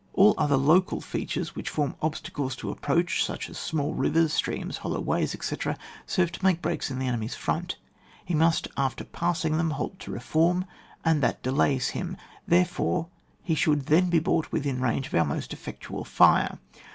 All other local features wlach form ob stacles to approach, such as small rivers, streams, hollow ways, etc., serve to make breaks in the enemy's front. He must, after passing them, halt to reform, and that delays him; therefore he should then be brought within range of our most effectual fire.